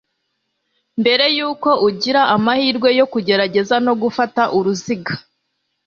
mbere yuko ugira amahirwe yo kugerageza no gufata uruziga